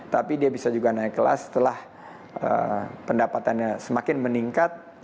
tapi dia bisa juga naik kelas setelah pendapatannya semakin meningkat